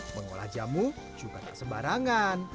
mengolah jamu juga tak sembarangan